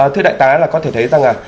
thưa đại tá có thể thấy rằng